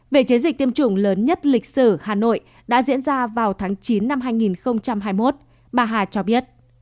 về chiến dịch tiêm chủng lớn nhất lịch sử hà nội đã diễn ra vào tháng chín năm hai nghìn hai mươi một bà hà cho biết